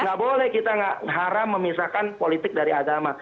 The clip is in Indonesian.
nggak boleh kita gak haram memisahkan politik dari agama